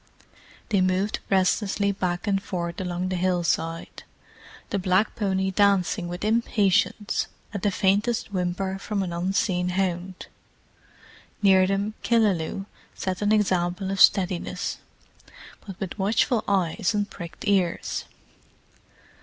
They moved restlessly back and forth along the hillside, the black pony dancing with impatience at the faintest whimper from an unseen hound. Near them Killaloe set an example of steadiness—but with watchful eyes and pricked ears.